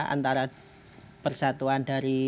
antara persatuan dari